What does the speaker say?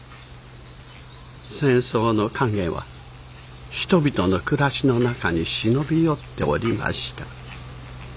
戦争の影は人々の暮らしの中に忍び寄っておりました。